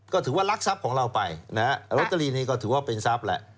ก็ถือว่ารักทรัพย์ของเราไปนะฮะโรตเตอรี่นี้ก็ถือว่าเป็นทรัพย์แหละ